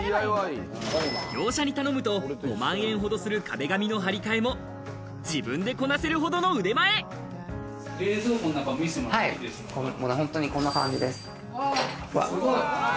業者に頼むと５万円ほどする壁紙の張り替えも自分でこなせるほど冷蔵庫の中もこんな感じです。